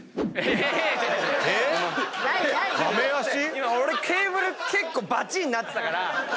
今俺ケーブル結構バチンなってたから。